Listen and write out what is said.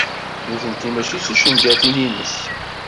Nutenti mačči d ticengatin-ines.